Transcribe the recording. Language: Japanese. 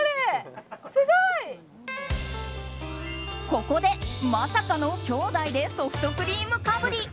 ここでまさかの兄弟でソフトクリームかぶり。